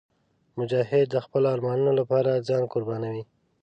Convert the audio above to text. مجاهد د خپلو ارمانونو لپاره ځان قربانوي.